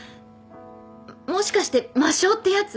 もしかして魔性ってやつ？